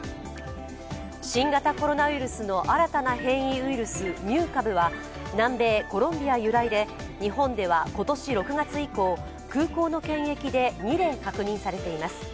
新型コロナウイルスの新たな変異ウイルス、ミュー株は南米コロンビア由来で、日本では今年６月以降空港の検疫で２例確認されています。